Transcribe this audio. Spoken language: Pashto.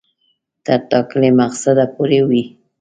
تر ټاکلي مقصده پوري وي.